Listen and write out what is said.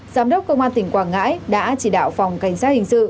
giám đốc công an tỉnh quảng ngãi đã chỉ đạo phòng cảnh sát hình sự